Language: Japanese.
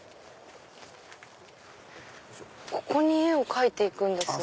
ここに絵を描いて行くんですね。